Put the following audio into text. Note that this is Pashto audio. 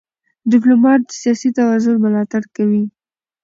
ډيپلومات د سیاسي توازن ملاتړ کوي.